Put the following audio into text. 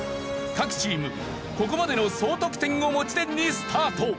各チームここまでの総得点を持ち点にスタート。